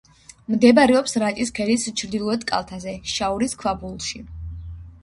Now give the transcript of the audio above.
მდებარეობს რაჭის ქედის ჩრდილოეთ კალთაზე, შაორის ქვაბულში.